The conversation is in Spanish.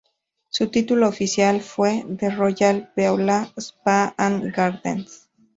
Su título oficial fue The Royal Beulah Spa and Gardens.